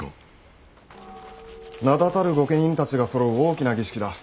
名だたる御家人たちがそろう大きな儀式だ。